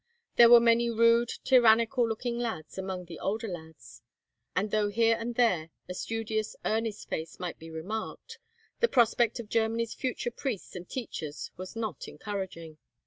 There were many rude, tyrannical looking lads among the older lads; and, though here and there a studious, earnest face might be remarked, the prospect of Germany's future priests and teachers was not encouraging.